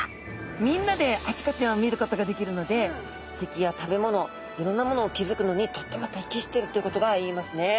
みんなであちこちを見ることができるので敵や食べ物いろんなものを気づくのにとってもてきしてるっていうことが言えますね。